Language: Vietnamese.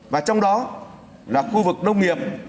và trong đó là khu vực nông nghiệp